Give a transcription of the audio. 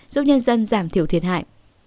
giúp nhân dân giảm thiểu thiệt hại